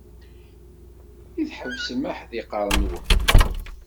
I tḥebsem aḥdiqer-nwen?